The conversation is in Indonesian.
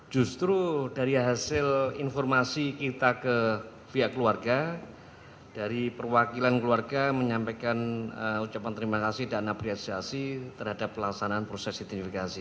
justru dari hasil informasi kita ke pihak keluarga dari perwakilan keluarga menyampaikan ucapan terima kasih dan apresiasi terhadap pelaksanaan proses identifikasi